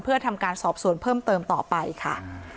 เพื่อทำการสอบสวนเพิ่มเติมต่อไปค่ะ